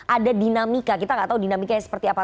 ada dinamika kita tidak tahu dinamika seperti apa